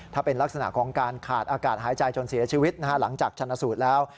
ถ้าเป็นลักษณะของการขาดอากาศหายใจจนเสียชีวิตหลังจากชนะสูตรแล้ว